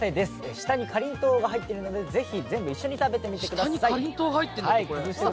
下にかりんとうが入ってるので是非、全部一緒に食べてみてください。